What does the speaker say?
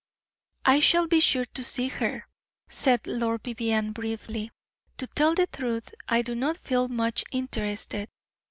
"I shall be sure to see her," said Lord Vivianne, briefly. "To tell the truth, I do not feel much interested.